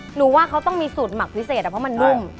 หนูว่าเขาต้องมีสูตรหมักพิเศษเพราะมันนุ่ม